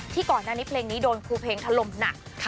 ที่ก่อนหน้านิปลิงนี้โดนภูเพลงถลมหนัก